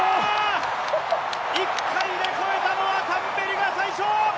１回で越えたのはタンベリが最初。